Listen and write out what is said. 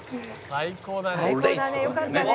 「最高だねよかったね」